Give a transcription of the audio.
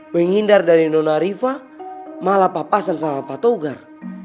menghindar dari nona rifa malah papasan sama pak togar